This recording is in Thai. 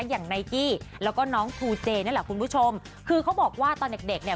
อย่างไนกี้แล้วก็น้องทูเจนั่นแหละคุณผู้ชมคือเขาบอกว่าตอนเด็กเด็กเนี่ย